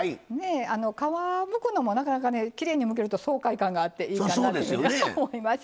皮むくのもなかなかきれいにむけると爽快感があっていいかなと思います。